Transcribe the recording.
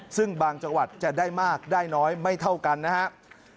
ซึ่งบางจังหวัดจะได้มากได้น้อยไม่เท่ากันนะครับ